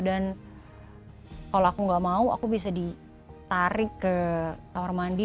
dan kalau aku gak mau aku bisa ditarik ke kamar mandi